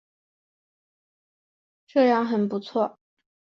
这样很不错